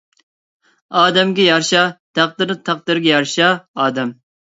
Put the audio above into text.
ئادەمگە يارىشا تەقدىر تەقدىرگە يارىشا ئادەم